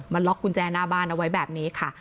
ล็อกกุญแจหน้าบ้านเอาไว้แบบนี้ค่ะ